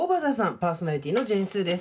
パーソナリティーのジェーン・スーです。